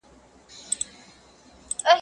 د زلمیو پاڅېدلو په اوږو کي.